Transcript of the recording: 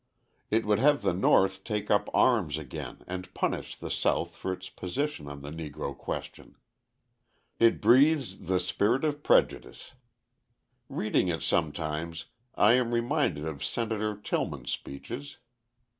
It would have the North take up arms again and punish the South for its position on the Negro question! It breathes the spirit of prejudice. Reading it sometimes, I am reminded of Senator Tillman's speeches.